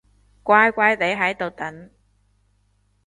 乖乖哋喺度等